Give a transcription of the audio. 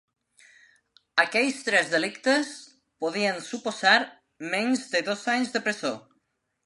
Aquells tres delictes podien suposar menys de dos anys de presó.